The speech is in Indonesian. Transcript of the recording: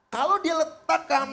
kalau dia letakkan